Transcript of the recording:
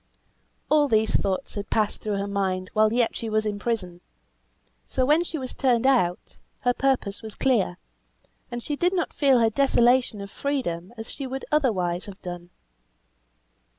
All these thoughts had passed through her mind while yet she was in prison; so when she was turned out, her purpose was clear, and she did not feel her desolation of freedom as she would otherwise have done.